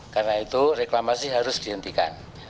karena itu reklamasi harus dihentikan